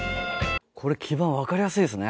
これ基板わかりやすいですね。